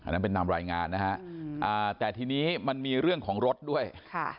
นั่นเป็นตามรายงานนะฮะแต่ทีนี้มันมีเรื่องของรถด้วยค่ะ